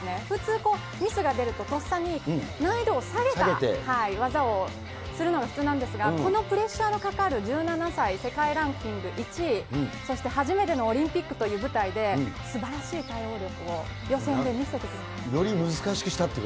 普通、ミスが出ると、とっさに、難易度を下げた技をするのが普通なんですが、このプレッシャーのかかる１７歳、世界ランキング１位、そして初めてのオリンピックという舞台で、すばらしい対応力を、予選で見せてくれました。